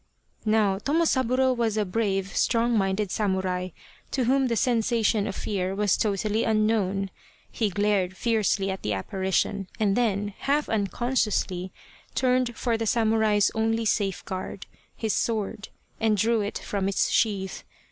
Now Tomosaburo was a brave, strong minded samurai, to whom the sensation of fear was totally unknown. He glared fiercely at the apparition, and then, half unconsciously, turned for the samurai's only safe guard, his sword, and drew it from its sheath.